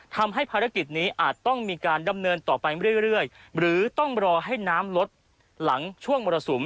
ทำให้ภารกิจนี้อาจต้องมีการดำเนินต่อไปเรื่อยหรือต้องรอให้น้ำลดหลังช่วงมรสุม